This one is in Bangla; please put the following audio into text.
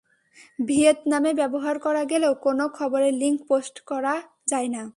ভিয়েতনামে ব্যবহার করা গেলেও কোনো খবরের লিংক পোস্ট করা যায় না।